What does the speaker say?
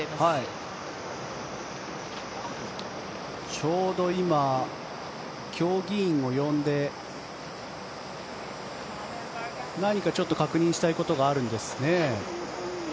ちょうど今協議員を呼んで何かちょっと確認したいことがあるんですね。